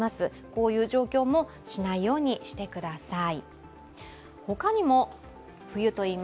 こういう状況もしないようにしてください。